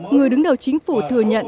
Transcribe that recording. người đứng đầu chính phủ thừa nhận